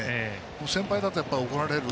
先輩だったら、怒られる。